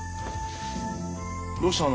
どうしたの？